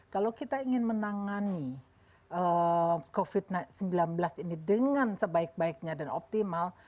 kalau kita ingin menangani covid sembilan belas ini dengan sebaik baiknya dan optimal